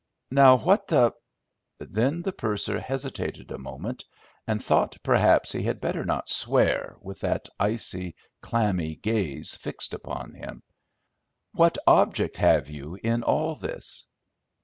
"Now, what the—" Then the purser hesitated a moment, and thought perhaps he had better not swear, with that icy, clammy gaze fixed upon him. "What object have you in all this?"